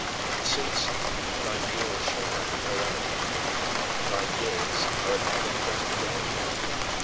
And since "thy years shall have no end," thy years are an ever present day.